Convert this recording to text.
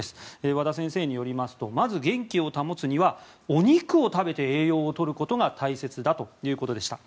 和田先生によりますとまず元気を保つにはお肉を食べて栄養を取ることが大切だということでした。